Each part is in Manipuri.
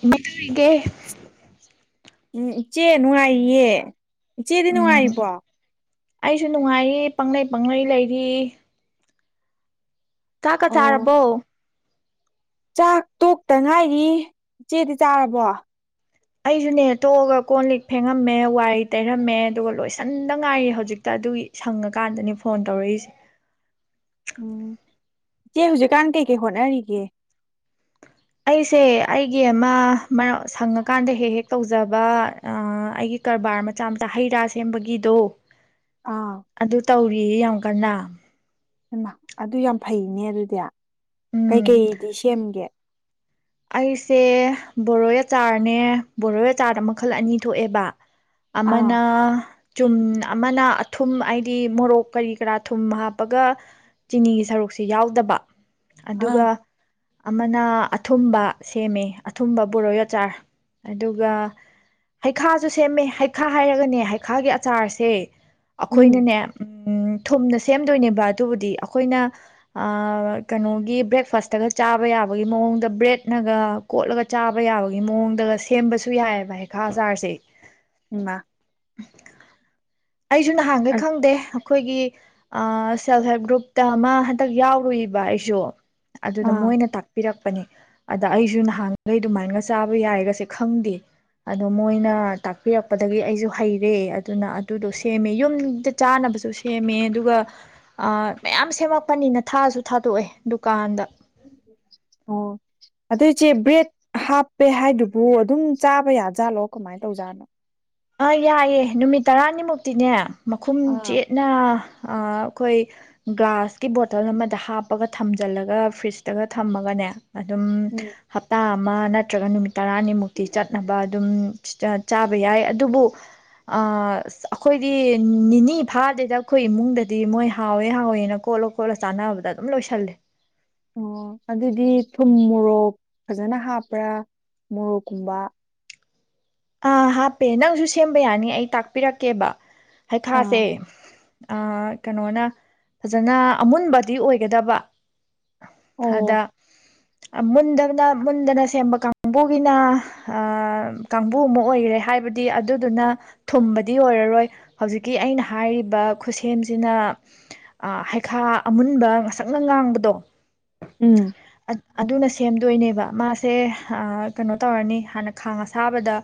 [inaudible] ꯍꯥꯏꯒꯦ ꯎꯝ ꯏꯆꯦ ꯅꯨꯡꯉꯥꯏꯌꯦ ꯏ ꯎꯝ ꯎꯆꯦꯗꯤꯅꯅꯨꯡꯉꯥꯏꯔꯤꯕꯣ ꯑꯩꯁꯨ ꯅꯨꯡꯉꯥꯏꯔꯤ ꯄꯪꯂꯩ ꯄꯪꯪꯂꯩ ꯂꯩꯔꯤ ꯀꯥ ꯀꯥ ꯑꯣ ꯆꯥꯔꯔꯕꯣ ꯆꯥꯛ ꯇꯣꯛꯇ ꯉꯥꯏꯔꯤ ꯏꯆꯦꯗꯤ ꯆꯥꯔꯕꯣ ꯑꯩꯁꯨꯅꯦ ꯇꯣꯛꯑꯒ ꯀꯣꯟ ꯂꯤꯛ ꯐꯦꯡꯉꯝꯃꯦ ꯋꯥꯔꯤ ꯇꯩꯔꯝꯃꯦ ꯑꯗꯨꯒ ꯂꯣꯏꯁꯟꯗ ꯉꯥꯏꯔꯤ ꯍꯧꯖꯤꯛꯇ ꯑꯗꯨꯒꯤ ꯁꯪꯉꯀꯥꯟꯗꯅꯤ ꯐꯣꯟ ꯇꯧꯔꯛꯏꯁꯦ ꯎꯝ ꯏꯆꯦ ꯍꯧꯖꯤꯛꯀꯥꯟ ꯀꯩꯀꯩ ꯍꯣꯠꯅꯔꯤꯒꯦ ꯑꯩꯁꯦ ꯑꯩꯒꯤ ꯑꯃ ꯃꯔꯛ ꯁꯪꯉꯀꯥꯟꯗ ꯍꯦꯛ ꯍꯦꯛ ꯇꯧꯖꯕ ꯑꯩꯒꯤ ꯀꯔꯕꯥꯔ ꯃꯆꯥ ꯃꯆꯥ ꯍꯩ ꯔꯥ ꯁꯦꯝꯕꯒꯤꯗꯣ ꯑꯥ ꯑꯗꯨ ꯇꯧꯔꯤ ꯌꯥꯝ ꯀꯅ ꯃ ꯑꯗꯨ ꯌꯥꯝ ꯐꯩꯅꯦ ꯑꯗꯨꯗꯤ ꯎꯝ ꯀꯩꯀꯩꯗꯤ ꯁꯦꯝꯒꯦ ꯑꯩꯁꯦ ꯕꯣꯔꯣ ꯑꯆꯥꯔꯅꯦ ꯕꯣꯔꯣ ꯑꯆꯥꯔꯗ ꯃꯈꯜ ꯑꯅꯤ ꯊꯣꯛꯑꯦꯕ ꯑꯃꯅ ꯑꯥ ꯆꯨꯝ ꯑꯃꯅ ꯑꯊꯨꯝ ꯍꯥꯏꯗꯤ ꯃꯣꯔꯣꯛ ꯀꯔꯤ ꯀꯔꯥ ꯊꯨꯝ ꯍꯥꯞꯄꯒ ꯆꯤꯅꯤꯒꯤ ꯁꯔꯨꯛꯁꯦ ꯌꯥꯎꯗꯕ ꯑꯥ ꯑꯗꯨꯒ ꯑꯃꯅ ꯑꯊꯨꯝꯕ ꯁꯦꯝꯃꯦ ꯑꯊꯨꯝꯕ ꯕꯣꯔꯣꯏ ꯑꯆꯥꯔ ꯑꯗꯨꯒ ꯍꯩꯈꯥꯁꯨ ꯁꯦꯝꯃꯦ ꯍꯩꯈꯥ ꯍꯥꯏꯔꯒꯅꯦ ꯍꯩꯈꯥꯒꯤ ꯑꯆꯥꯔꯁꯦ ꯎꯝ ꯑꯩꯈꯣꯏꯅꯅꯦ ꯎꯝ ꯊꯨꯝꯅ ꯁꯦꯝꯗꯣꯏꯅꯦꯕ ꯑꯗꯨꯕꯨꯗꯤ ꯑꯩꯈꯣꯏꯅ ꯀꯩꯅꯣꯒꯤ ꯕ꯭ꯔꯦꯛꯐꯥꯁꯇꯒ ꯆꯥꯕ ꯌꯥꯕꯒꯤ ꯃꯑꯣꯡꯗ ꯕ꯭ꯔꯦꯠꯅꯒ ꯀꯣꯠꯂꯒ ꯆꯥꯕ ꯌꯥꯕꯒꯤ ꯃꯑꯣꯡꯗꯒ ꯁꯦꯝꯕꯁꯨ ꯌꯥꯏꯑꯕ ꯍꯩꯈꯥ ꯆꯥꯔꯁꯦ ꯏꯃꯥ ꯑꯩꯁꯨ ꯅꯍꯥꯟꯈꯩ ꯈꯪꯗꯦ ꯑꯩꯈꯣꯏꯒꯤ ꯁꯦꯜꯞ ꯍꯦꯜꯞ ꯒ꯭ꯔꯨꯞꯇ ꯑꯃ ꯍꯟꯇꯛ ꯌꯥꯎꯔꯨꯏꯕ ꯑꯩꯁꯨ ꯑꯗꯨꯗ ꯃꯣꯏꯅ ꯇꯥꯛꯄꯤꯔꯛꯄ ꯑꯅꯤ ꯑꯗ ꯑꯩꯁꯨ ꯅꯍꯥꯟꯈꯩ ꯑꯗꯨꯃꯥꯏꯒ ꯆꯥꯕ ꯌꯥꯔꯒꯁꯦ ꯈꯪꯗꯦ ꯑꯗꯣ ꯃꯣꯏꯅ ꯇꯥꯛꯄꯤꯔꯛꯄꯗꯒꯤ ꯑꯩꯁꯨ ꯍꯩꯔꯦ ꯑꯗꯨꯅ ꯑꯗꯨꯗꯣ ꯁꯦꯝꯃꯦ ꯌꯨꯝꯗ ꯆꯥꯅꯕꯁꯨ ꯁꯦꯝꯃꯦ ꯑꯗꯨꯒ ꯃꯌꯥꯝ ꯁꯦꯝꯃꯛꯄꯅꯤꯅ ꯊꯥꯁꯨ ꯊꯥꯗꯣꯛꯑꯦ ꯗꯨꯀꯥꯟꯗ ꯑꯣ ꯑꯗꯨꯏ ꯏꯆꯦ ꯕ꯭ꯔꯦꯗ ꯍꯥꯞꯄꯦ ꯍꯥꯏꯗꯨꯕꯨ ꯑꯗꯨꯝ ꯆꯥꯕ ꯌꯥꯖꯥꯠꯂꯣ ꯀꯃꯥꯏꯅ ꯇꯧꯖꯥꯠꯅꯣ ꯑꯥ ꯌꯥꯏꯑꯦ ꯅꯨꯃꯤꯠ ꯇꯔꯥꯅꯤꯃꯨꯛꯇꯤꯅꯦ ꯃꯈꯨꯝ ꯑꯥ ꯆꯦꯠꯅ ꯑꯩꯈꯣꯏ ꯒ꯭ꯂꯥꯁꯀꯤ ꯕꯣꯇꯜ ꯑꯃꯗ ꯍꯥꯞꯄꯒ ꯊꯝꯖꯤꯜꯂꯒ ꯐ꯭ꯔꯤꯖꯇꯒ ꯊꯝꯃꯒꯅꯦ ꯑꯗꯨꯝ ꯎꯝ ꯍꯞꯇꯥ ꯑꯃ ꯅꯠꯇ꯭ꯔꯒ ꯅꯨꯃꯤꯠ ꯇꯔꯥꯅꯤꯃꯨꯛꯇꯤ ꯆꯠꯅꯕ ꯑꯗꯨꯝ ꯆꯥꯕ ꯌꯥꯏ ꯑꯗꯨꯕꯨ ꯑꯩꯈꯣꯏꯗꯤ ꯅꯤꯅꯤ ꯐꯥꯗꯦꯗ ꯑꯩꯈꯣꯏ ꯏꯃꯨꯡꯗꯗꯤ ꯃꯣꯏ ꯍꯥꯎꯋꯦ ꯍꯥꯎꯋꯦꯅ ꯀꯣꯠꯂꯣ ꯈꯣꯠꯂꯣ ꯆꯥꯟꯅꯕꯗ ꯑꯗꯨꯝ ꯂꯣꯏꯁꯜꯂꯦ ꯑꯣ ꯑꯗꯨꯗꯤ ꯊꯨꯝ ꯃꯣꯔꯣꯛ ꯐꯖꯅ ꯍꯥꯞꯄ꯭ꯔꯥ ꯃꯣꯔꯣꯛꯀꯨꯝꯕ ꯑꯥ ꯍꯥꯞꯄꯦ ꯅꯪꯁꯨ ꯁꯦꯝꯕ ꯌꯥꯅꯤ ꯑꯩ ꯇꯥꯛꯄꯤꯔꯛꯀꯦꯕ ꯍꯩꯈꯥꯁꯦ ꯑꯥ ꯀꯩꯅꯣꯅ ꯐꯖꯅ ꯑꯃꯨꯟꯕꯗꯤ ꯑꯣꯏꯒꯗꯕ ꯑꯗ ꯑꯣ ꯃꯨꯟꯗꯅ ꯃꯨꯟꯗꯅ ꯁꯦꯝꯕ ꯀꯥꯡꯕꯨꯒꯤꯅ ꯀꯥꯡꯕꯨ ꯑꯃ ꯑꯣꯏꯈꯔꯦ ꯍꯥꯏꯕꯗꯤ ꯑꯗꯨꯗꯨꯅ ꯊꯨꯝꯕꯗꯤ ꯑꯣꯏꯔꯔꯣꯏ ꯍꯧꯖꯤꯛꯀꯤ ꯑꯩꯅ ꯍꯥꯏꯔꯤꯕ ꯈꯨꯠꯁꯦꯝꯁꯤꯅ ꯍꯩꯈꯥ ꯑꯃꯨꯟꯕ ꯉꯁꯛꯅ ꯉꯥꯡꯕꯗꯣ ꯎꯝ ꯑꯗꯨꯅꯥ ꯁꯦꯝꯗꯣꯏꯅꯦꯕ ꯃꯥꯁꯦ ꯀꯩꯅꯣ ꯇꯧꯔꯅꯤ ꯃꯥꯁꯦ ꯍꯥꯟꯅ ꯈꯥꯡ ꯑꯁꯥ ꯊꯥꯕꯗ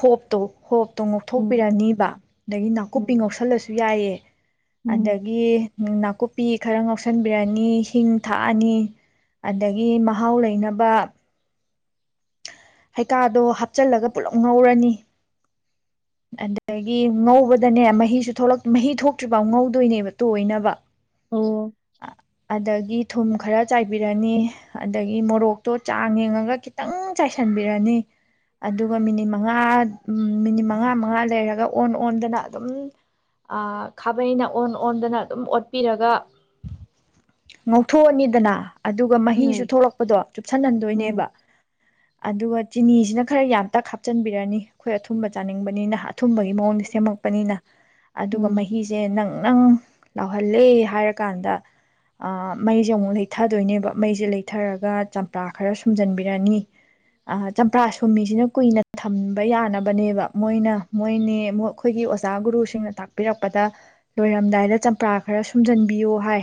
ꯍꯣꯞꯇꯣ ꯍꯣꯞ ꯇꯣ ꯎꯝ ꯉꯧꯊꯣꯛꯄꯤꯔꯅꯤꯕ ꯑꯗꯒꯤ ꯎꯝ ꯅꯥꯀꯨꯞꯄꯤ ꯉꯧꯁꯜꯂꯁꯨ ꯌꯥꯏꯌꯦ ꯎꯝ ꯑꯗꯒꯤ ꯅꯥꯀꯨꯞꯄꯤ ꯈꯔ ꯉꯧꯁꯟꯕꯤꯔꯅꯤ ꯍꯤꯡ ꯊꯥꯛꯑꯅꯤ ꯑꯗꯒꯤ ꯃꯍꯥꯎ ꯂꯩꯅꯕ ꯍꯩꯀꯥꯗꯣ ꯍꯥꯞꯆꯜꯂꯒ ꯄꯨꯂꯞ ꯉꯧꯔꯅꯤ ꯑꯗꯒꯤ ꯉꯧꯕꯗꯅꯦ ꯃꯍꯤꯁꯨ ꯃꯍꯤ ꯊꯣꯛꯇ꯭ꯔꯤꯐꯥꯎ ꯉꯧꯗꯣꯏꯅꯦꯕ ꯇꯣꯏꯅꯕ ꯑꯣ ꯑꯗꯒꯤ ꯊꯨꯝ ꯈꯔ ꯆꯥꯏꯕꯤꯔꯅꯤ ꯑꯗꯒꯤ ꯃꯣꯔꯣꯛꯇꯣ ꯆꯥꯡ ꯌꯦꯡꯉꯒ ꯈꯤꯇꯪ ꯆꯥꯏꯁꯤꯟꯕꯤꯔꯅꯤ ꯑꯗꯨꯒ ꯃꯤꯅꯤꯠ ꯃꯉꯥ ꯃꯤꯅꯤꯠ ꯃꯉꯥ ꯃꯉꯥ ꯂꯩꯔꯒ ꯑꯣꯟ ꯑꯣꯟꯗꯅ ꯑꯗꯨꯝ ꯈꯥꯕꯩꯅ ꯑꯣꯟ ꯑꯣꯟꯗꯅ ꯑꯗꯨꯝ ꯑꯣꯠꯄꯤꯔꯒ ꯉꯧꯊꯣꯛꯑꯅꯤꯗꯅ ꯑꯗꯨꯒ ꯃꯍꯤꯁꯨ ꯎꯝ ꯊꯂꯛꯄꯗꯣ ꯎꯝ ꯆꯨꯞꯁꯤꯟꯍꯟꯗꯣꯏꯅꯦꯕ ꯑꯗꯨꯒ ꯆꯤꯅꯤꯁꯤꯅ ꯈꯔ ꯌꯥꯝꯇꯛ ꯍꯥꯞꯆꯤꯟꯕꯤꯔꯅꯤ ꯑꯩꯈꯣꯏ ꯑꯊꯨꯝꯕ ꯆꯥꯅꯤꯡꯕꯅꯤꯅꯍ ꯑꯊꯨꯝꯕꯒꯤ ꯃꯑꯣꯡꯗ ꯁꯦꯝꯃꯛꯄꯅꯤꯅ ꯑꯗꯨꯒ ꯎꯝ ꯃꯍꯤꯁꯦ ꯅꯪ ꯅꯪ ꯂꯥꯎꯍꯜꯂꯦ ꯍꯥꯏꯔꯀꯥꯟꯗ ꯃꯩꯁꯦ ꯑꯃꯨꯛ ꯂꯩꯊꯗꯣꯏꯅꯦꯕ ꯃꯩꯁꯦ ꯂꯩꯊꯔꯒ ꯆꯝꯄ꯭ꯔꯥ ꯈꯔ ꯁꯨꯝꯖꯟꯕꯤꯔꯅꯤ ꯆꯝꯄ꯭ꯔꯥ ꯁꯨꯝꯃꯤꯁꯤꯅ ꯀꯨꯏꯅ ꯊꯝꯕ ꯌꯥꯅꯕꯅꯦꯕ ꯃꯣꯏꯅ ꯃꯣꯏꯅꯦ ꯑꯩꯈꯣꯏꯒꯤ ꯑꯣꯖꯥ ꯒꯨꯔꯨꯁꯤꯡꯅ ꯇꯥꯛꯄꯤꯔꯛꯄꯗ ꯂꯣꯏꯔꯝꯗꯥꯏꯗ ꯆꯝꯄ꯭ꯔꯥ ꯈꯔ ꯁꯨꯝꯖꯤꯟꯕꯤꯌꯣ ꯍꯥꯏ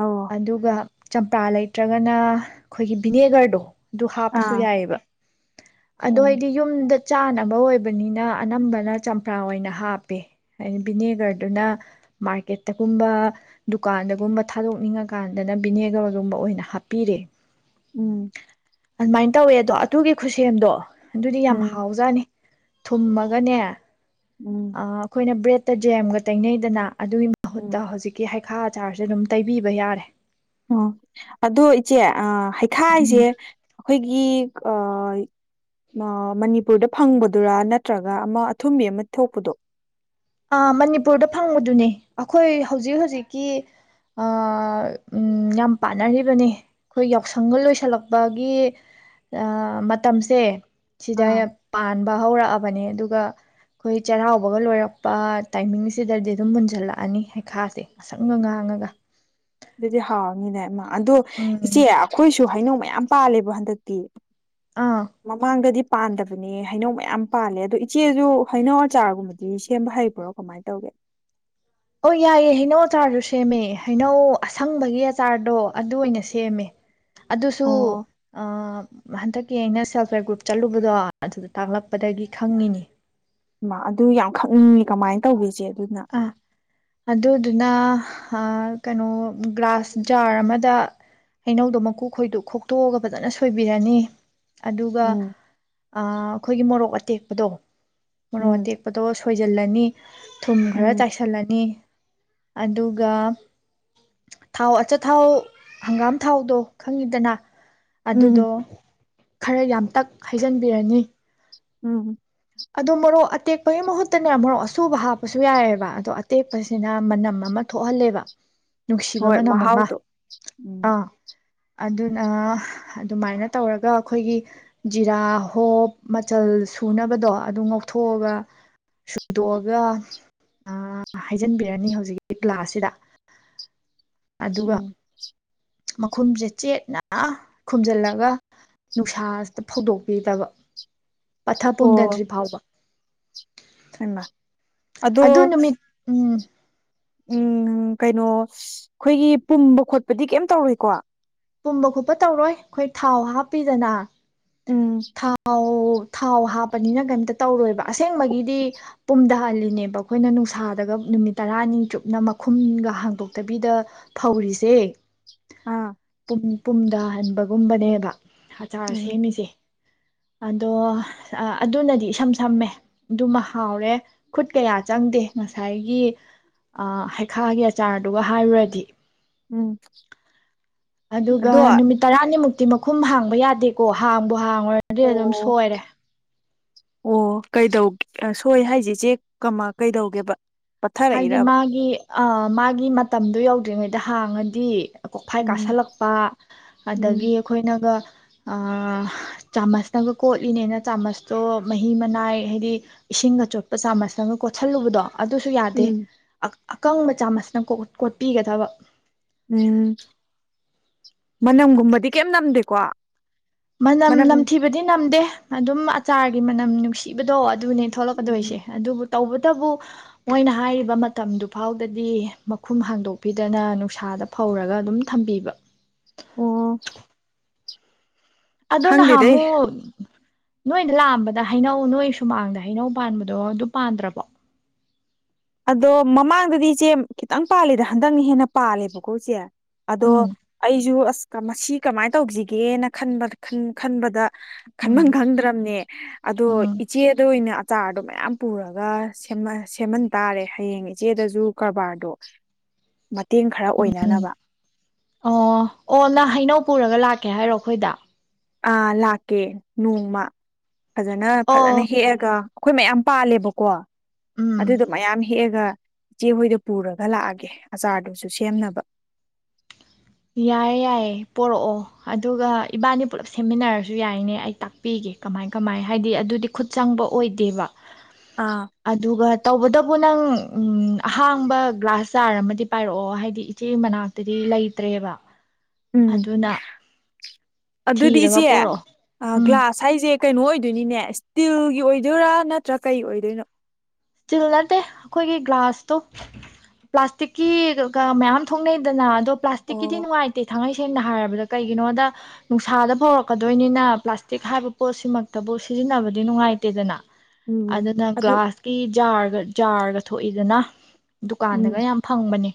ꯑꯧ ꯑꯗꯨꯒ ꯆꯝꯄ꯭ꯔꯥ ꯂꯩ ꯅꯠꯇ꯭ꯔꯒꯅ ꯑꯩꯈꯣꯏꯒꯤ ꯕꯤꯅꯦꯒꯔꯗꯣ ꯑꯗꯨ ꯍꯥꯞꯄꯁꯨ ꯑꯥ ꯌꯥꯏꯑꯕ ꯑꯣ ꯍꯥꯏꯗꯤ ꯌꯨꯝꯗ ꯆꯥꯅꯕ ꯑꯣꯏꯕ ꯑꯣꯏꯕꯅꯤꯅ ꯑꯅꯝꯕꯅ ꯆꯝꯄ꯭ꯔꯥ ꯑꯣꯏꯅ ꯍꯥꯞꯄꯦ ꯍꯥꯏꯗꯤ ꯚꯤꯅꯦꯒꯔꯗꯨꯅ ꯃꯥꯔꯀꯦꯠꯇꯒꯨꯝꯕ ꯗꯨꯀꯥꯟꯗꯒꯨꯝꯕ ꯊꯥꯗꯣꯛꯅꯤꯡꯉꯀꯥꯟꯗꯅ ꯚꯅꯦꯒꯔꯒꯨꯝꯕ ꯑꯣꯏꯅ ꯍꯥꯞꯄꯤꯔꯦ ꯎꯝ ꯑꯗꯨꯃꯥꯏꯅ ꯇꯧꯋꯦ ꯑꯗꯣ ꯑꯗꯨꯒꯤ ꯈꯨꯠꯁꯦꯝꯗꯣ ꯑꯗꯨꯗꯤ ꯌꯥꯝ ꯎꯝ ꯍꯥꯎꯖꯥꯅꯤ ꯊꯨꯝꯃꯒꯅꯦ ꯎꯝ ꯑꯩꯈꯣꯏꯅ ꯕ꯭ꯔꯦꯗꯠꯇ ꯖꯦꯝꯒ ꯇꯩꯅꯩꯅꯩꯗꯅ ꯑꯗꯨꯒꯤ ꯃꯍꯨꯠꯇ ꯎꯝ ꯍꯧꯖꯤꯛꯀꯤ ꯍꯥꯏ ꯥ ꯆꯥꯔꯁꯨꯦ ꯑꯗꯨꯝ ꯇꯩꯕꯤꯕ ꯌꯥꯔꯦ ꯑꯣ ꯑꯗꯨ ꯏꯆꯦ ꯑ ꯍꯩꯈꯥꯁꯦ ꯎꯝ ꯑꯩꯈꯣꯏꯒꯤ ꯃꯅꯤꯄꯨꯔꯗ ꯐꯪꯕꯗꯨꯔꯥ ꯅꯠꯇ꯭ꯔꯒ ꯑꯃ ꯑꯊꯨꯝꯕꯤ ꯑꯃ ꯊꯣꯛꯄꯗꯣ ꯃꯅꯤꯄꯨꯔꯗ ꯐꯪꯕꯗꯨꯅꯤ ꯑꯩꯈꯣꯏ ꯍꯧꯖꯤꯛ ꯍꯧꯖꯤꯛꯀꯤ ꯌꯥꯝ ꯄꯥꯅꯔꯤꯕꯅꯤ ꯑꯩꯈꯣꯏ ꯌꯥꯎꯁꯪꯒ ꯂꯣꯏꯁꯜꯂꯛꯄꯒꯤ ꯃꯇꯝꯁꯦ ꯁꯤꯗ ꯑꯥ ꯄꯥꯟꯕ ꯍꯧꯔꯛꯑꯕꯅꯦ ꯑꯗꯨ ꯑꯗꯨꯒ ꯑꯩꯈꯣꯏ ꯆꯩꯍꯥꯎꯕꯒ ꯂꯣꯏꯔꯛ ꯇꯥꯏꯃꯤꯡꯁꯤꯗꯗꯤ ꯑꯗꯨꯝ ꯃꯨꯟꯖꯜꯂꯛꯑꯅꯤ ꯍꯩꯈꯥꯁꯦ ꯉꯁꯪ ꯉ ꯉꯥꯡꯉꯒ ꯑꯗꯨꯗꯤ ꯍꯥꯎꯔꯅꯤꯅꯦ ꯃꯥ ꯑꯗꯣ ꯎꯝ ꯏꯆꯦ ꯑꯩꯈꯣꯏ ꯁꯨ ꯍꯩꯅꯧ ꯃꯌꯥꯝ ꯄꯥꯜꯂꯦꯕ ꯍꯟꯗꯛꯇꯤ ꯑꯥ ꯃꯃꯥꯡꯒꯗꯤ ꯄꯥꯟꯗꯕꯅꯦ ꯍꯩꯅꯧ ꯃꯌꯥꯝ ꯄꯥꯜꯂꯦ ꯑꯗꯨꯗꯣ ꯏꯆꯦꯁꯨ ꯍꯩꯅꯧ ꯑꯆꯥꯔꯒꯨꯝꯕꯗꯤ ꯁꯦꯝꯕ ꯍꯩꯕ꯭ꯔꯣ ꯀꯃꯥꯏꯅ ꯇꯧꯒꯦ ꯑꯣ ꯌꯥꯏꯌꯦ ꯍꯩꯅꯧ ꯑꯆꯥꯔꯁꯨ ꯁꯦꯝꯃꯦ ꯍꯩꯅꯧ ꯑꯁꯪꯕꯒꯤ ꯑꯆꯥꯔꯗꯣ ꯑꯗꯨ ꯑꯣꯏꯅ ꯁꯦꯝꯃꯦ ꯑꯗꯨꯁꯨ ꯑꯣ ꯍꯟꯗꯛ ꯀ ꯑꯩꯅ ꯁꯦꯜꯞ ꯍꯦꯜꯞ ꯒ꯭ꯔꯨꯞ ꯆꯠꯂꯨꯕꯗꯣ ꯑꯗꯨꯗ ꯇꯥꯛꯂꯛꯄꯗꯒꯤ ꯈꯪꯉꯤꯅꯤ ꯑꯗꯨ ꯌꯥꯝ ꯈꯪꯅꯤꯡꯉꯤ ꯀꯃꯥꯏꯅ ꯇꯧꯒꯁꯦ ꯑ ꯑꯗꯨꯗꯨꯅ ꯀꯩꯅꯣ ꯒ꯭ꯂꯥꯁ ꯖꯥꯔ ꯑꯃꯗ ꯍꯩꯅꯧꯗꯣ ꯃꯀꯨꯈꯣꯏꯗꯣ ꯈꯣꯛꯇꯣꯛꯑꯒ ꯐꯖꯅ ꯁꯣꯏꯕꯤꯔꯅꯤ ꯑꯗꯨꯒ ꯎꯝ ꯑꯩꯈꯣꯏꯒꯤ ꯃꯣꯔꯣꯛ ꯑꯇꯦꯛꯄꯗꯣ ꯃꫭꯔꫭꯛ ꯎꯝ ꯑꯇꯦꯄꯗꯥ ꯁꯣꯏ ꯂꯅꯤ ꯊꯨꯝ ꯈꯔ ꯎꯝ ꯆꯥꯏꯁꯤꯜꯂꯅꯤ ꯑꯗꯨꯒ ꯊꯥꯎ ꯑꯆꯥꯊꯥꯎ ꯍꯪꯒꯥꯝ ꯊꯥꯎꯗꯣ ꯈꯪꯉꯤꯗꯅ ꯎꯝ ꯑꯗꯨꯗꯣ ꯈꯔ ꯌꯥꯝ ꯇꯛ ꯍꯩꯖꯤꯟꯕꯤꯔꯅꯤ ꯎꯝ ꯑꯗꯣ ꯃꯣꯔꯣꯛ ꯑꯇꯦꯛꯄꯒꯤ ꯃꯍꯨꯠꯇꯅꯦ ꯃꯣꯔꯣꯛ ꯑꯁꯨꯕ ꯍꯥꯞꯄꯁꯨ ꯌꯥꯏꯑꯕ ꯑꯗꯣ ꯑꯇꯦꯛꯄꯁꯤꯅ ꯃꯅꯝ ꯑꯃ ꯊꯣꯛꯍꯜꯂꯦꯕ ꯅꯨꯡꯁꯤꯕ ꯍꯣꯏ ꯃꯅꯝ ꯑꯃ ꯃꯍꯥꯎꯗꯣ ꯎꯝ ꯑꯥ ꯑꯗꯨꯅ ꯑꯗꯨꯃꯥꯏꯅ ꯇꯧꯔꯒ ꯑꯩꯈꯣꯏꯒꯤ ꯖꯤꯔꯥ ꯍꯣꯞ ꯃꯆꯜ ꯁꯨꯅꯕꯗꯣ ꯑꯗꯨ ꯉꯧꯊꯣꯛꯑꯒ ꯁꯨꯗꯣꯛꯑꯒ ꯍꯥꯏꯖꯤꯟꯕꯤꯔꯅꯤ ꯍꯧꯖꯤꯛꯀꯤ ꯀ꯭ꯂꯥꯁꯁꯤꯗ ꯎꯝ ꯃꯈꯨꯝꯁꯦ ꯆꯦꯠꯅ ꯈꯨꯝꯖꯤꯜꯂꯒ ꯅꯨꯡꯁꯥꯇ ꯐꯧꯗꯣꯛꯄꯤꯗꯕ ꯄꯠꯊ ꯑꯣ [inaudible] ꯏꯃ ꯑꯗꯨ ꯅꯨꯃꯤꯠ ꯎꯝ ꯎꯝ ꯀꯩꯅꯣ ꯑꯩꯈꯣꯏꯒꯤ ꯄꯨꯝꯕ ꯈꯣꯠꯄꯗꯤ ꯀꯩꯝ ꯇꯧꯔꯦꯀꯣ ꯄꯨꯝꯕ ꯈꯣꯠꯄ ꯇꯧꯔꯣꯏ ꯑꯩꯈꯣꯏ ꯊꯥꯎ ꯍꯥꯞꯄꯤꯗꯅ ꯎꯝ ꯊꯥꯎ ꯊꯥꯎ ꯍꯥꯞꯄꯅꯤꯅ ꯀꯩꯇ ꯇꯧꯔꯣꯏꯕ ꯑꯁꯦꯡꯕꯒꯤꯗꯤ ꯄꯨꯝꯊꯍꯜꯂꯤꯅꯦꯕ ꯑꯩꯈꯣꯏꯅ ꯅꯨꯡꯁꯥꯗꯒ ꯅꯨꯃꯤꯠ ꯇꯔꯥꯅꯤ ꯆꯨꯞꯅ ꯃꯈꯨꯝꯒ ꯍꯥꯡꯗꯣꯛꯇꯕꯤꯗ ꯐꯧꯔꯤꯁꯦ [inaudible] ꯑꯥ ꯄꯨꯝꯗ ꯍꯟꯕꯒꯨꯝꯕꯅꯦꯕ ꯑꯆꯥꯔ ꯎꯝ ꯁꯦꯝꯃꯤꯁꯦ ꯑꯗꯣ ꯑꯗꯨꯅꯗꯤ ꯏꯁꯝ ꯁꯝꯃꯦ ꯑꯗꯨꯃ ꯍꯥꯎꯔꯦ ꯈꯨꯠ ꯀꯌꯥ ꯆꯪꯗꯦ ꯉꯁꯥꯏꯒꯤ ꯍꯩꯈꯥꯒꯤ ꯑꯆꯥꯔꯗꯨꯒ ꯍꯥꯏꯔꯨꯔꯗꯤ ꯎꯝ ꯑꯗꯨꯒ ꯑꯗꯣ ꯅꯨꯃꯤꯠ ꯇꯔꯥꯅꯤꯃꯨꯛꯇ [unintelligible] ꯃꯈꯨꯝ ꯍꯥꯡꯕ ꯌꯥꯗꯦꯀꯣ ꯍꯥꯡꯕ ꯍꯥꯡꯉꯨꯔꯗꯤ ꯑꯗꯨꯝ ꯑꯣ ꯁꯣꯏꯔꯦ ꯑꯣ ꯀꯩꯗꯧꯒꯦ ꯁꯣꯏ ꯍꯥꯏꯁꯦ ꯏꯆꯦ ꯀꯥꯃꯥ ꯀꯩꯗꯧꯒꯦꯕ ꯍꯥꯏꯗꯤ ꯄꯠꯊꯔꯛꯏꯔꯕ ꯃꯥꯒꯤ ꯃꯥꯒꯤ ꯃꯇꯝꯗꯣ ꯌꯧꯗ꯭ꯔꯤꯉꯩꯗ ꯍꯥꯡꯉꯗꯤ ꯀꯣꯛꯐꯥꯏ ꯎꯝ ꯀꯥꯁꯜꯂꯛꯄ ꯑꯗꯒꯤ ꯎꯝ ꯑꯩꯈꯣꯏꯅꯒ ꯆꯥꯃꯁꯇꯪꯒ ꯀꯣꯠꯂꯤꯅꯦꯅ ꯆꯥꯃꯁꯇꯣ ꯃꯍꯤ ꯃꯅꯥꯏ ꯍꯥꯏꯗꯤ ꯏꯁꯤꯡꯒ ꯆꯣꯠꯄ ꯆꯥꯃꯁꯇꯪꯒ ꯀꯣꯠꯁꯜꯂꯨꯕꯗꯣ ꯑꯗꯨꯁꯨ ꯌꯥ ꯎꯝ ꯑ ꯑꯀꯪꯕ ꯆꯥꯃꯁꯅ ꯀꯣꯠꯄꯤꯒꯗꯕ ꯎꯝ ꯃꯅꯝꯒꯨꯝꯕꯗꯤ ꯀꯩꯝ ꯅꯝꯗꯦꯀꯣ ꯃꯅꯝ ꯅꯝꯊꯤꯕꯗꯤ ꯅꯝꯗꯦ ꯑꯗꯨꯝ ꯑꯆꯥꯔꯒꯤ ꯃꯅꯝ ꯅꯨꯡꯁꯤꯕꯗꯣ ꯑꯗꯨꯅꯦ ꯊꯣꯛꯂꯛꯀꯗꯣꯏꯁꯦ ꯎꯝ ꯑꯗꯨꯕꯨ ꯇꯧꯕꯇꯕꯨ ꯃꯣꯏꯅ ꯍꯥꯏꯔꯤꯕ ꯃꯇꯝꯗꯨ ꯐꯥꯎꯗꯗꯤ ꯃꯈꯨꯝ ꯍꯥꯡꯗꯣꯛꯄꯤꯗꯅ ꯅꯨꯡꯁꯥꯗ ꯐꯧꯔꯒ ꯑꯗꯨꯝ ꯊꯝꯕꯤꯕ ꯑꯣ ꯑꯗꯨ ꯈꯪꯗꯦꯗ ꯑꯩ ꯅꯍꯃꯨ ꯅꯣꯏꯗ ꯂꯥꯛꯑꯝꯕꯗ ꯍꯩꯅꯧ ꯅꯣꯏ ꯁꯨꯃꯥꯡꯗ ꯍꯩꯅꯧ ꯄꯥꯟꯕꯗꯣ ꯑꯗꯨ ꯄꯥꯟꯗ꯭ꯔꯕꯣ ꯑꯗꯣ ꯃꯃꯥꯡꯗꯗꯤ ꯏꯆꯦ ꯈꯤꯇꯪ ꯄꯥꯜꯂꯤꯦꯗ ꯍꯟꯗꯛ ꯍꯦꯟꯅ ꯄꯥꯜꯂꯦꯕꯀꯣ ꯏꯆꯦ ꯑꯗꯣ ꯎꯝ ꯑꯩꯁꯨ ꯑꯁ ꯃꯁꯤ ꯀꯃꯥꯏꯅ ꯇꯧꯁꯤꯒꯦꯅ ꯈꯕ ꯈꯟꯕꯗ ꯈꯟꯃ ꯎꯝ ꯈꯟꯗ꯭ꯔꯕꯅꯦ ꯑꯗꯣ ꯎꯝ ꯏꯆꯦꯗ ꯑꯣꯏꯅ ꯑꯆꯥꯔ ꯑ ꯃꯌꯥꯝ ꯄꯨꯔꯒ ꯁꯦꯝꯃꯟ ꯇꯥꯔꯦ ꯍꯌꯦꯡ ꯏꯆꯦꯗꯁꯨ ꯀꯔꯕꯥꯔꯗꯣ ꯃꯇꯦꯡ ꯈꯔ ꯎꯝꯝ ꯑꯣꯏꯅꯅꯕ ꯑꯣ ꯑꯣ ꯅ ꯍꯥꯏꯩꯅꯧ ꯄꯨꯔꯒ ꯂꯥꯛꯀꯦ ꯍꯥꯏꯔꯣ ꯑꯩꯈꯣꯏꯗ ꯑꯥ ꯂꯥꯛꯀꯦ ꯅꯣꯡꯃ ꯐꯖꯅ ꯑꯣ ꯐꯖꯅ ꯍꯦꯛꯑꯒ ꯑꯩꯈꯣꯏ ꯃꯌꯥꯝ ꯄꯥꯜꯂꯦꯕꯀꯣ ꯎꯝ ꯑꯗꯨꯗꯣ ꯃꯌꯥꯝ ꯍꯦꯛꯑꯒ ꯏꯆꯦꯍꯣꯏꯗ ꯄꯨꯔꯒ ꯂꯥꯛꯑꯒꯦ ꯑꯆꯥꯔꯗꯨꯁꯨ ꯁꯦꯝꯅꯕ ꯌꯥꯏꯌꯦ ꯌꯥꯏꯌꯦꯦ ꯄꯣꯔꯛꯑꯣ ꯑꯗꯨꯒ ꯏꯕꯥꯅꯤ ꯄꯨꯜꯂꯞ ꯁꯦꯝꯃꯤꯟꯅꯔꯁꯨ ꯌꯥꯏꯅꯦ ꯑꯩ ꯇꯥꯛꯄꯤꯒꯦ ꯀꯃꯥꯏ ꯀꯃꯥꯏ ꯍꯥꯏꯗꯤ ꯑꯗꯨꯗꯤ ꯈꯨꯠ ꯆꯪꯕ ꯑꯣꯏꯗꯦꯕ ꯑꯥ ꯑꯗꯨꯒ ꯇꯧꯕꯇꯕꯨ ꯅꯪ ꯎꯝ ꯑꯍꯥꯡꯕ ꯒ꯭ꯂꯥꯁ ꯆꯥꯔ ꯑꯃꯗꯤ ꯄꯥꯏꯔꯛꯑꯣ ꯍꯥꯏꯗꯤ ꯏꯆꯦ ꯃꯅꯥꯛꯇꯗꯤ ꯂꯩ ꯠꯇꯦꯕ ꯎꯝ ꯑꯗꯨꯗꯤ ꯊꯤꯔꯒ ꯏꯆꯦ ꯄꯣꯔꯛꯑꯣ ꯎꯝ ꯒ꯭ꯂꯥꯁ ꯍꯥꯏꯁꯦ ꯀꯩꯅꯣ ꯑꯣꯏꯗꯣꯏꯅꯤꯅꯦ ꯏꯁꯇꯤꯜꯒꯤ ꯑꯣꯏꯗꯣꯏꯔꯥ ꯅꯠꯇ꯭ꯔꯥ ꯀꯩ ꯑꯣꯏꯗꯣꯏꯅꯣ ꯁꯇꯤꯜ ꯅꯠꯇꯦ ꯑꯩꯈꯣꯏꯒꯤ ꯒ꯭ꯂꯥꯁꯇꯣ ꯄ꯭ꯂꯥꯁꯇꯤꯛꯀꯤ ꯃꯌꯥꯝ ꯊꯣꯛꯅꯩꯗꯅ ꯑꯗꯣ ꯄ꯭ꯂꯥꯁꯇꯤꯛꯀꯤꯗꯤ ꯑꯣ ꯅꯨꯡꯉꯥꯏꯇꯦ ꯊꯥꯡꯩ ꯁꯦꯡꯅ ꯍꯥꯏꯔꯕꯗ ꯀꯩꯒꯤꯅꯣꯗ ꯅꯨꯡꯁꯥꯗ ꯐꯥꯎꯔꯛꯀꯗꯣꯏꯅꯤꯅ ꯄ꯭ꯂꯥꯁꯇꯤꯛ ꯍꯥꯏꯕ ꯄꯣꯠꯁꯤꯃꯛꯇꯕꯨ ꯁꯤꯖꯤꯟꯅꯕꯗꯤ ꯅꯨꯡꯉꯥꯏꯇꯦꯗꯅ ꯎꯝ ꯑꯗꯨꯅ ꯑꯗꯨ ꯒ꯭ꯂꯥꯁ ꯔꯒ ꯖꯥꯔꯒ ꯊꯣꯛꯏꯗꯅ ꯎꯝ ꯗꯨꯀꯥꯟꯗꯒ ꯌꯥꯝ ꯐꯪꯕꯅꯦ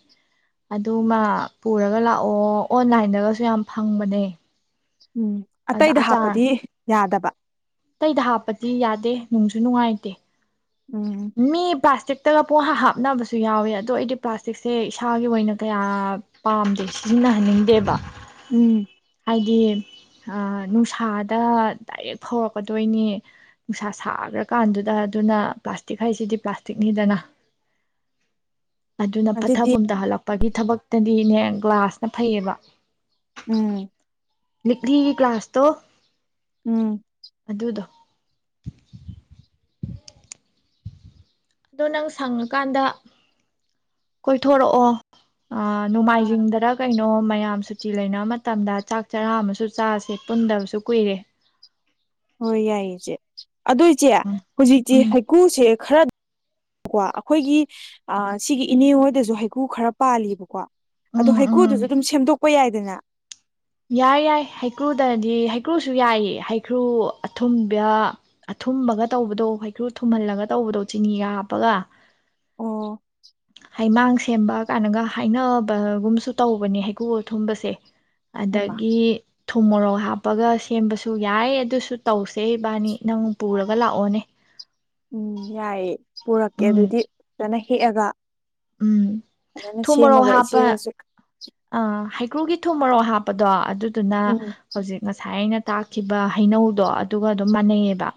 ꯑꯗꯨ ꯃꯥ ꯄꯨꯔꯒ ꯂꯥꯛꯑꯣ ꯑꯣꯟꯂꯥꯏꯟꯗꯒꯁꯨ ꯌꯥꯝ ꯐꯪꯕꯅꯦ ꯎꯝ ꯑꯗ ꯑꯇꯩꯗ ꯑꯆꯥꯔ ꯍꯥꯞꯄꯗꯤ ꯌꯥꯗꯕ ꯇꯇꯩꯗ ꯍꯥꯞꯄꯗꯤ ꯌꯥꯗꯦ ꯅꯨꯡꯁꯨ ꯅꯨꯡꯉꯥꯏꯇꯦ ꯎꯝ ꯃꯤ ꯄꯥꯁ ꯄꯥꯁꯇꯤꯛꯇꯒ ꯄꯨꯡ ꯍꯥ ꯍꯥꯞꯅꯕꯁꯨ ꯌꯥꯎꯋꯦ ꯑꯗꯣ ꯑꯩꯗꯤ ꯄ꯭ꯂꯥꯁꯇꯤꯛꯁꯦ ꯏꯁꯥꯒꯤ ꯑꯣꯏꯅ ꯀꯌꯥ ꯄꯥꯝꯗꯦ ꯁꯤꯖꯤꯟꯅꯍꯟꯅꯤꯡꯗꯦꯕ ꯎꯝ ꯍꯥꯏꯗꯤ ꯅꯨꯡꯁꯥꯗ ꯗꯥꯏꯔꯦꯛ ꯐꯧꯔꯛꯀꯗꯣꯏꯅꯤ ꯅꯨꯡꯁꯥ ꯁꯥꯈ꯭ꯔꯀꯥꯟꯗꯨꯗ ꯑꯗꯨꯅ ꯄ꯭ꯂꯥꯁꯇꯤꯛ ꯍꯥꯏꯁꯤꯗꯤ ꯄ꯭ꯂꯥꯁꯇꯤꯛꯅꯤꯗꯅ ꯑꯗꯨꯅ ꯄꯠꯊ ꯑꯗꯨꯗꯤ ꯄꯨꯝꯊ ꯍꯜꯂꯛꯄ ꯒꯤ ꯊꯕꯛꯇꯗꯤꯅꯦ ꯒ꯭ꯂꯥꯁꯅ ꯐꯩꯌꯦꯕ ꯎꯝ ꯂꯤꯛꯂꯤ ꯒꯂꯥꯁꯇꯣ ꯎꯝ ꯑꯗꯨꯗꯣ ꯑꯗꯣ ꯅꯪ ꯁꯪꯉꯀꯥꯟꯗ ꯀꯣꯏꯊꯣꯔꯛꯑꯣ ꯑ ꯑꯥ ꯅꯣꯡꯃꯥꯏꯖꯤꯡꯗꯔ ꯀ ꯀꯩꯅꯣ ꯃꯌꯥꯝ ꯁꯨꯇꯤ ꯂꯩꯅꯕ ꯃꯇꯝꯗ ꯆꯥꯛ ꯆꯔꯥ ꯑꯃꯁꯨ ꯆꯥꯁꯦ ꯄꯨꯟꯗꯕꯁꯨ ꯀꯨꯏꯔꯦ ꯍꯣꯏ ꯌꯥꯏꯌꯦ ꯏꯆꯦ ꯑꯗꯨꯏꯆꯦ ꯎꯝ ꯍꯧꯖꯤꯛꯁꯦ ꯎꯝ ꯍꯩꯀꯨꯁꯦ ꯈꯔ ꯀꯣ ꯑꯩꯈꯣꯏꯒꯤ ꯁꯤꯒꯤ ꯏꯅꯦ ꯍꯣꯏꯗꯁꯨ ꯍꯩꯀꯨ ꯈꯔ ꯄꯥꯜꯂꯤꯕꯀꯣ ꯑꯗꯣ ꯎꯝ ꯎꯝ ꯍꯩꯀꯨꯗꯨꯁꯨ ꯑꯗꯨꯝ ꯁꯦꯝꯗꯣꯛ ꯄꯄ ꯌꯥꯏꯗꯅ ꯌꯥꯏ ꯌꯥꯏ ꯍꯩꯀ꯭ꯔꯨꯗꯗꯤ ꯍꯩꯀ꯭ꯔꯨꯁꯨ ꯌꯥꯏꯌꯦ ꯍꯩꯀ꯭ꯔꯨ ꯑꯊꯨꯝꯕ ꯑꯊꯨꯝꯕꯒ ꯇꯧꯕꯗꯣ ꯍꯩꯀ꯭ꯔꯨ ꯊꯨꯝꯍꯜꯂꯒ ꯇꯧꯕꯗꯣ ꯆꯤꯅꯤꯒ ꯍꯥꯞꯄꯒ ꯑꯣ ꯍꯩꯃꯥꯡꯁꯤ ꯁꯦꯝꯕ ꯀꯥꯏꯅꯒ ꯍꯥꯏꯅꯕꯒꯨꯝꯁꯨ ꯇꯧꯕꯅꯦ ꯍꯩꯀꯨ ꯑꯊꯨꯝꯕꯁꯦ ꯍꯩꯃ ꯑꯗꯒꯤ ꯊꯨꯝ ꯃꯣꯔꯣꯛ ꯍꯥꯞꯄꯒ ꯁꯦꯝꯕꯁꯨ ꯌꯥꯏ ꯑꯗꯨꯁꯨ ꯇꯧꯁꯦ ꯏꯕꯥꯅꯤ ꯅꯪ ꯄꯨꯔꯒ ꯂꯥꯛꯑꯣꯅꯦ ꯎꯝ ꯌꯥꯏꯌꯦꯦ ꯄꯨꯔꯛꯀꯦ ꯎꯝ ꯑꯗꯨꯗꯤ ꯆꯠꯅꯩ ꯍꯦꯛꯑꯒ ꯎꯝ ꯑꯗꯨꯅ ꯁꯦꯝꯃꯒ ꯆꯦꯔꯁꯨ ꯑ ꯍꯩꯀ꯭ꯔꯨꯒꯤ ꯊꯨꯝ ꯃꯔꯣꯛ ꯍꯥꯞꯄꯗꯣ ꯑꯗꯨ ꯑꯗꯨꯅ ꯎꯝ ꯍꯧꯖꯤꯛ ꯉꯁꯥꯏ ꯑꯩꯅ ꯇꯥꯛꯈꯤꯕ ꯍꯩꯅꯧꯗꯣ ꯑꯗꯨꯒ ꯑꯗꯨꯝ ꯃꯥꯟꯅꯩꯑꯕ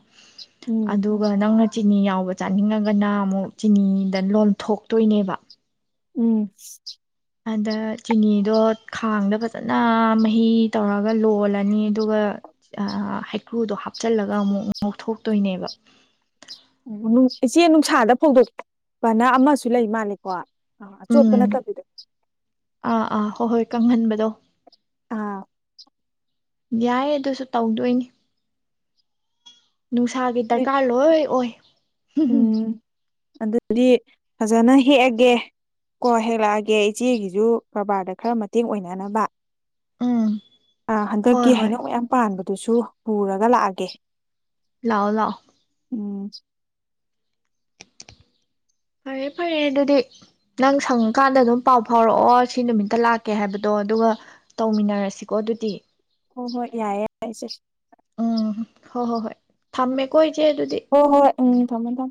ꯎꯝ ꯑꯗꯨꯒ ꯅꯪꯅ ꯆꯤꯅꯤ ꯌꯥꯎꯕ ꯆꯥꯅꯤꯡꯉꯒꯅ ꯑꯃꯨꯛ ꯆꯤꯅꯤꯗ ꯂꯣꯟꯊꯣꯛꯇꯣꯏꯅꯦꯕ ꯎꯝ ꯑꯗ ꯆꯤꯅꯤꯗꯣ ꯈꯥꯡꯗ ꯐꯖꯅ ꯃꯍꯤ ꯇꯧꯔꯒ ꯂꯣꯜꯂꯅꯤ ꯑꯗꯨꯒ ꯍꯩꯀ꯭ꯔꯨꯗꯣ ꯍꯥꯞꯆꯜꯂꯒ ꯑꯃꯨꯛ ꯉꯧꯊꯣꯛꯇꯣꯏꯅꯦꯕ ꯎꯝ ꯏꯆꯦ ꯅꯨꯡꯁꯥꯗ ꯐꯣꯡꯗꯣꯛꯄꯅ ꯑꯃꯁꯨ ꯂꯩ ꯃꯥꯜꯂꯦꯀꯣ ꯑꯥ ꯑꯆꯣꯠꯄ ꯎꯝ ꯅꯠꯇꯕꯤꯗ ꯑꯥ ꯑꯥ ꯍꯣꯏ ꯍꯣꯏ ꯀꯪꯍꯟꯕꯗꯣ꯫ ꯑꯥ꯫ ꯌꯥꯏ ꯑꯗꯨꯁꯨ ꯇꯧꯗꯣꯏꯅꯤ꯫ ꯅꯨꯡꯁꯥꯒꯤ ꯗꯔꯀꯥꯔ ꯂꯣꯏ ꯑꯣꯏ꯫ ꯎꯝ꯫ ꯑꯗꯨꯗꯤ ꯐꯖꯅ ꯍꯦꯛꯑꯒꯦ ꯀꯣ ꯍꯦꯛꯂꯛꯑꯒꯦ ꯏꯆꯦꯒꯤꯁꯨ ꯀꯔꯕꯥꯔꯗ ꯈꯔ ꯃꯇꯦꯡ ꯑꯣꯏꯅꯅꯕ ꯎꯝ ꯑꯥ ꯍꯣꯏ ꯍꯟꯗꯛꯀꯤ ꯍꯣꯏ ꯍꯩꯅꯧ ꯃꯌꯥꯝ ꯄꯥꯟꯕ ꯑꯗꯨꯁꯨ ꯄꯨꯔꯒ ꯂꯥꯛꯑꯒꯦ꯫ ꯂꯥꯛꯑꯣ ꯂꯥꯛꯑꯣ ꯎꯝ꯫ ꯐꯔꯦ ꯐꯔꯦ ꯑꯗꯨꯗꯤ ꯅꯪ ꯁꯪꯉꯀꯥꯟꯗ ꯑꯗꯨꯝ ꯄꯥꯎ ꯐꯥꯎꯔꯛꯑꯣ ꯁꯤ ꯅꯨꯃꯤꯠꯇ ꯂꯥꯛꯀꯦ ꯍꯥꯏꯕꯗꯣ ꯑꯗꯨꯒ ꯇꯧꯃꯤꯟꯅꯔꯁꯤꯀꯣ ꯑꯗꯨꯗꯤ꯫ ꯍꯣꯏ ꯍꯣꯏ ꯌꯥꯏꯌꯦ ꯌꯥꯢꯌꯦ ꯢꯆꯦ꯫ ꯎꯝ ꯍꯨꯝ ꯍꯣ ꯍꯣ ꯍꯣꯏ ꯊꯝꯃꯦ ꯀꯣ ꯍꯣꯢ ꯍꯣꯏ ꯎꯝ ꯊꯝꯃꯨ ꯊꯝꯃꯨ꯫